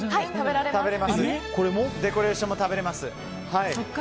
デコレーションも食べられます。